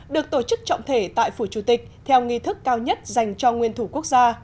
được tổ chức trọng thể tại phủ chủ tịch theo nghi thức cao nhất dành cho nguyên thủ quốc gia